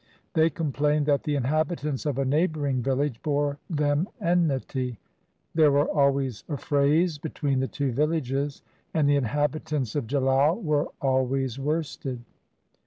They complained that the inhabitants of a neighbouring village bore them enmity. There were always affrays between the two villages, and the inhabitants of Jalal were always worsted.